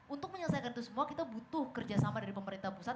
untuk menyelesaikan itu semua kita butuh kerjasama dari pemerintah pusat